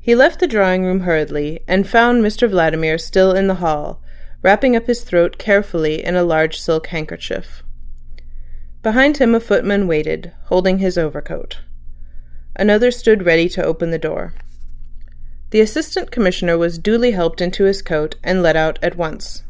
He left the drawing room hurriedly, and found Mr Vladimir still in the hall, wrapping up his throat carefully in a large silk handkerchief. Behind him a footman waited, holding his overcoat. Another stood ready to open the door. The Assistant Commissioner was duly helped into his coat, and let out at once.